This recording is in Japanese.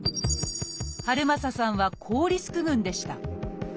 遥政さんは高リスク群でした。